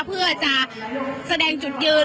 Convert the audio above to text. เพื่อจะแสดงจุดยืน